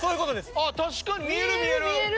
あっ確かに見える見える。